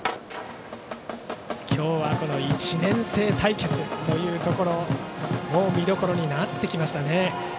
今日は１年生対決というところも見どころになってきましたね。